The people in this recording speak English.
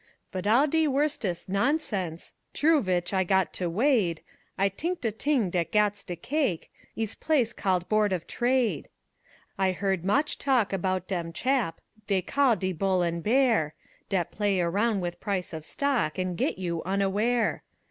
But all de worstes' nonsens' T'roo vich I got to wade, I t'ink de t'ing dat gats de cake Ees place called Board of Trade. I heard moch talk about dem chap Dey call de Bull an' Bear, Dat play aroun' with price of stock An' get you unaware.